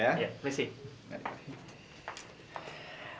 ya terima kasih